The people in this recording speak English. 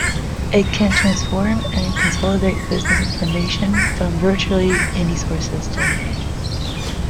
It can transform and consolidate business information from virtually any source system.